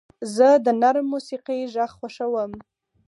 زه د نرم موسیقۍ غږ خوښوم.